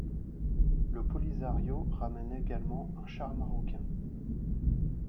Le Polisario ramène également un char marocain.